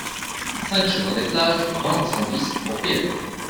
cinq chemin des Plages, vingt, cent dix, Propriano